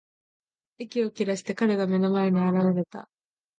息を切らして、彼が目の前に現れた。